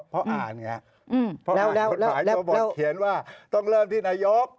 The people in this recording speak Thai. เพราะอ่านไงเพราะกฎหมายตัวบทเขียนว่าต้องเริ่มที่นายก